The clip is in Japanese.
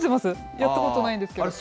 やったことないんですけど。